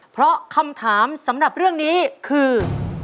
เพราะคำถามสำหรับเรื่องนี้คือ